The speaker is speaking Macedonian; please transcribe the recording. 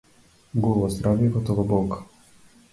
Голо здравје, готова болка.